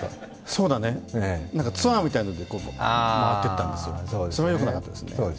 そうだね、ツアーみたいので回ってったんですよ、それがよくなかったですね。